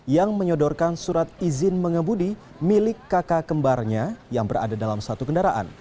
yang menyodorkan surat izin mengemudi milik kakak kembarnya yang berada dalam satu kendaraan